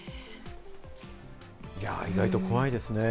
意外と怖いですね。